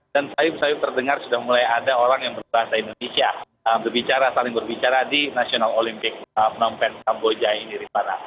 dan saya terdengar sudah mulai ada orang yang berbahasa indonesia berbicara saling berbicara di national olympic phnom penh kamboja ini rifana